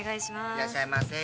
いらっしゃいませ・